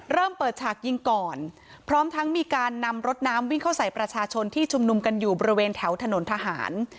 เริ่มเปิดฉากยิงก่อนพร้อมทั้งมีการนำรถน้ำวิ่งเข้าใส่ประชาชนที่ชุมนุมกันอยู่บริเวณแถวถนนทหาร